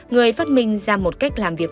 người phát minh ra một cách làm việc